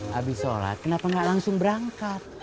habis sholat kenapa gak langsung berangkat